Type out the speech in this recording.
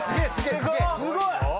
すごい！